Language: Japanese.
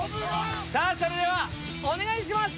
さあそれではお願いします！